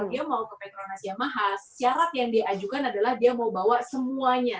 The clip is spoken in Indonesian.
nah sekarang kalau dia mau ke petronas yamaha syarat yang dia ajukan adalah dia mau bawa semuanya